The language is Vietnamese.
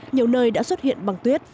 nhiều nơi đã xuất hiện bằng tuyết